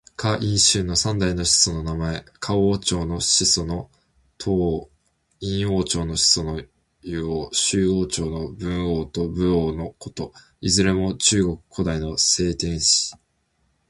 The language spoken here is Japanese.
夏、殷、周の三代の始祖の名。夏王朝の始祖の禹王。殷王朝の始祖の湯王。周王朝の文王と武王のこと。いずれも中国古代の聖天子。